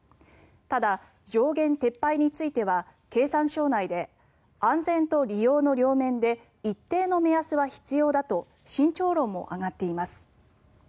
ただ、上限撤廃については経産省内で安全と利用の両面で一定の目安は必要だと慎重論も上がっています。